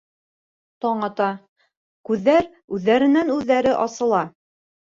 Таң ата, күҙҙәр үҙҙәренән-үҙҙәре асыла.